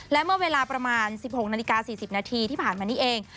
และเมื่อเวลาประมาณ๑๖นาฬิกา๔๐นาทีที่ผ่านมานี้เอง